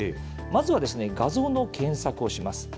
まずは画像の検索をします。